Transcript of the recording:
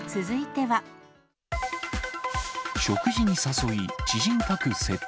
食事に誘い、知人宅窃盗。